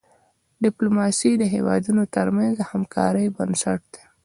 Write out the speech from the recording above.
ډيپلوماسي د هیوادونو ترمنځ د همکاری بنسټ دی.